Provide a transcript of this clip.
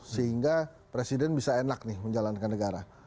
sehingga presiden bisa enak nih menjalankan negara